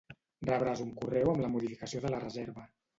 Rebràs un correu amb la modificació de la reserva.